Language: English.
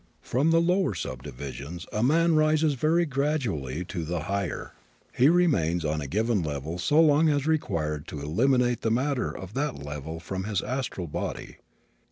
From the lower subdivisions a man rises very gradually to the higher. He remains on a given level so long as is required to eliminate the matter of that level from his astral body.